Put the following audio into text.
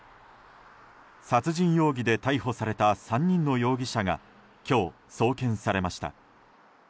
殺人容疑で逮捕された３人の容疑者が今日、送検されました。